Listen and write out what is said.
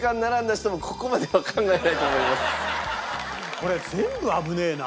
これ全部危ねえな。